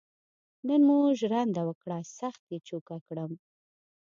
نن مو ژرنده وکړه سخت یې جوکه کړم.